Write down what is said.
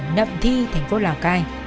đậm thi thành phố lào cai